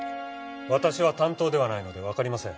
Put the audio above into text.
私は担当ではないのでわかりません。